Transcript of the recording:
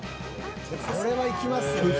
「これはいきますよね」